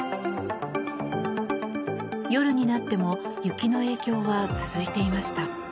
夜になっても雪の影響は続いていました。